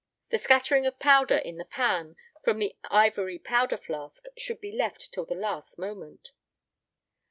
The scattering of powder in the pan from the ivory powder flask should be left till the last moment.